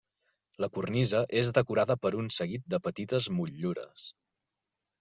La cornisa és decorada per un seguit de petites motllures.